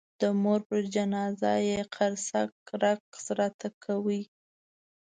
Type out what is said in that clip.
د مور پر جنازه یې قرصک رقص راته کړی.